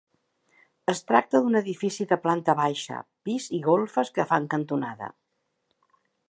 Es tracta d'un edifici de planta baixa, pis i golfes que fa cantonada.